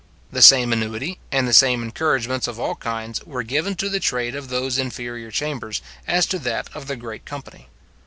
The same annuity, and the same encouragements of all kinds, were given to the trade of those inferior chambers as to that of the great company.